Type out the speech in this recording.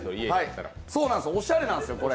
おしゃれなんですよ、これ。